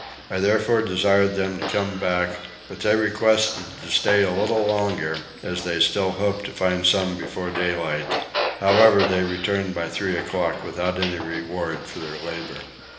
I therefore desired them to come back, but they requested to stay a little longer as they still hoped to find some before daylight: however they returned by three o'clock without any reward for their labour.